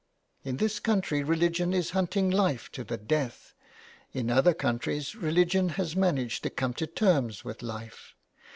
In this country religion is hunting life to 211 JULIA CAHILL'S CURSE. the death. In other countries religion has managed to come to terms with Life.